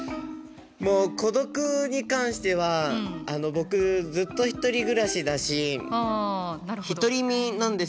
もう孤独に関しては僕ずっと１人暮らしだし独り身なんですよね。